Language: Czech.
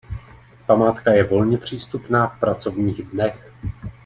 Památka je volně přístupná v pracovních dnech.